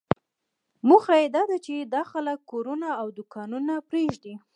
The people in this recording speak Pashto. موخه یې داده چې دا خلک کورونه او دوکانونه پرېږدي.